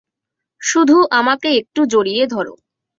শুধু আমাকে একটু জড়িয়ে ধর।